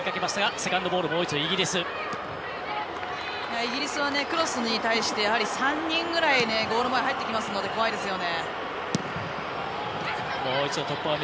イギリスはクロスに対してやはり３人ぐらいゴール前入ってきますので怖いですよね。